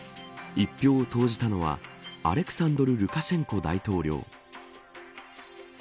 一票を投じたのはアレクサンドル・ルカシェンコ大統領。